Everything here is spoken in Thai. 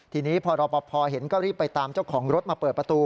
ทีนี้พอรอปภเห็นก็รีบไปตามเจ้าของรถมาเปิดประตู